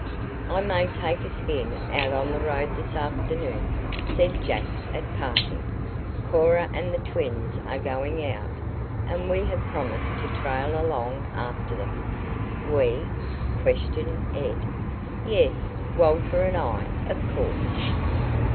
"I may take a spin out on the road this afternoon," said Jack at parting. "Cora and the twins are going out, and we have promised to trail along after them." "We?" questioned Ed. "Yes. Walter and I, of course."